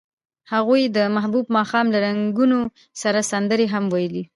هغوی د محبوب ماښام له رنګونو سره سندرې هم ویلې.